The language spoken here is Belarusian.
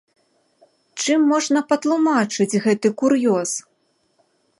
Чым можна патлумачыць гэты кур'ёз?